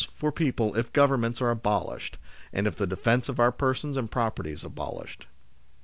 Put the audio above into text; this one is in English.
123 for people if Governments are abolished, and if the defence of our persons and property is abolished.